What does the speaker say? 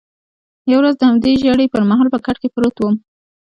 یوه ورځ د همدې ژېړي پر مهال په کټ کې پروت وم.